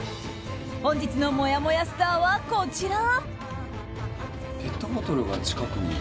本日のもやもやスターはこちら。